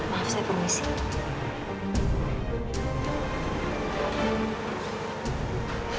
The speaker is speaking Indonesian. maaf saya pembahas